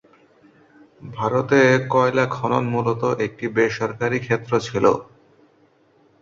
ভারতে কয়লা খনন মূলত একটি বেসরকারী ক্ষেত্র ছিল।